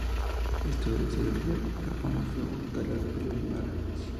La historia del sello real de Japón se remonta al periodo Nara.